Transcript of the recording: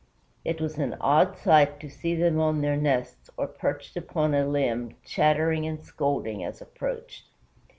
It was an odd sight to see them on their nests or perched upon a limb, chattering and scolding as approached.